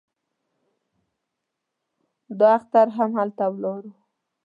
دا اختر هم هلته ولاړو.